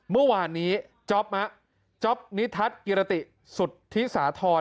เมื่อวานนี้จ๊อปจ๊อปนิทัศน์กิรติสุทธิสาธรณ์